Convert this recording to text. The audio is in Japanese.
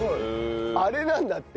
あれなんだって。